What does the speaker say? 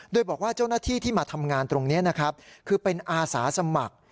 โดยบอกว่าเจ้าหน้าที่ที่มาทำงานตรงนี้นะครับคือเป็นอาสาสมัคร